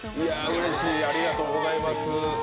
うれしい、ありがとうございます。